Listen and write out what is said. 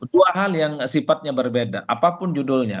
dua hal yang sifatnya berbeda apapun judulnya